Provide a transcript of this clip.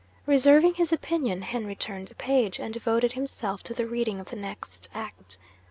Reserving his opinion, Henry turned the page, and devoted himself to the reading of the next act.